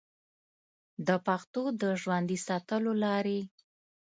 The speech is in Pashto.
د پښتو د ژوندي ساتلو لارې